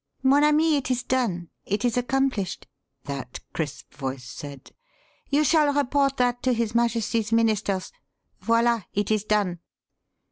"Mon ami, it is done it is accomplished," that crisp voice said. "You shall report that to his Majesty's ministers. Voila, it is done!"